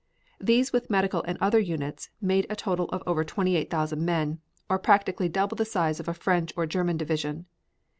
These, with medical and other units, made a total of over 28,000 men, or practically double the size of a French or German division.